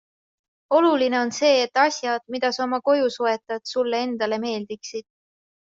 Oluline on see, et asjad, mida sa oma koju soetad, sulle endale meeldiksid.